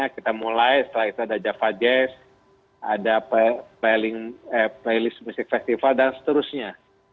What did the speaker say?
kita mulai setelah itu ada java jazz ada playlist music festival dan seterusnya